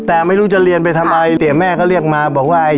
แต่ไม่รู้จะเรียนไปทำอะไรแต่แม่ก็เรียกมาบอกว่า